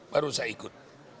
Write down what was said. baru saya ikut